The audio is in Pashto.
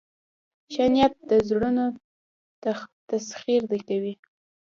ښه نیت د زړونو تسخیر کوي.